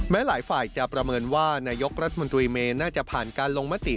หลายฝ่ายจะประเมินว่านายกรัฐมนตรีเมย์น่าจะผ่านการลงมติ